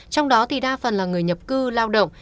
trong đó thì đa phần là người nhập cư lao động